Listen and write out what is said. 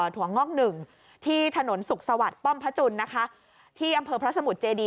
ถั่วงอกหนึ่งที่ถนนสุขสวัสดิ์ป้อมพระจุลนะคะที่อำเภอพระสมุทรเจดี